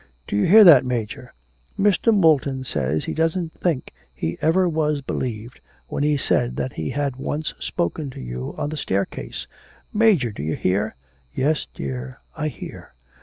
'Do you hear that, Major? Mr. Moulton says that he doesn't think he ever was believed when he said that he had once spoken to you on the staircase. Major, do you hear?' 'Yes, dear, I hear.